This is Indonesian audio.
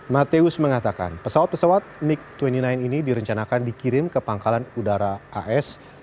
mateus mengatakan pesawat pesawat mig dua puluh sembilan ini direncanakan dikirim ke pangkalan udara as